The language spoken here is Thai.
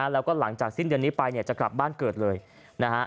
แล้วก็หลังจากสิ้นเดือนนี้ไปเนี่ยจะกลับบ้านเกิดเลยนะฮะ